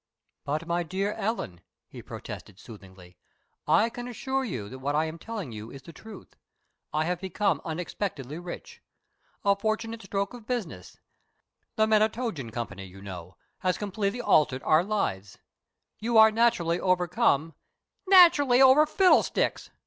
"But, my dear Ellen," he protested, soothingly, "I can assure you that what I am telling you is the truth! I have become unexpectedly rich. A fortunate stroke of business the Menatogen Company, you know has completely altered our lives. You are naturally overcome " "Naturally over fiddlesticks!"